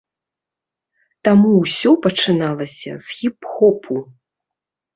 Таму ўсё пачыналася з хіп-хопу.